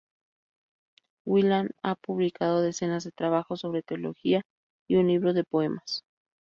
Williams ha publicado decenas de trabajos sobre teología y un libro de poemas.